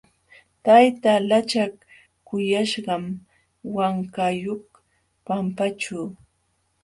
Tayta lachak kuyaśhqam wankayuq pampaćhu.